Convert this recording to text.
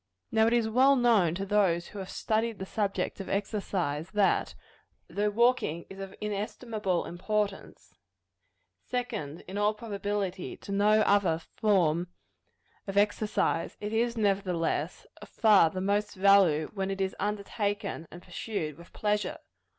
Now it is well known to those who have studied the subject of exercise, that, though walking is of inestimable importance second, in all probability, to no other form of mere exercise it is, nevertheless, of far the most value, when it is undertaken and pursued with pleasure.